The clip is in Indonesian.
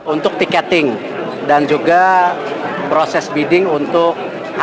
untuk tiketing dan juga proses bidding untuk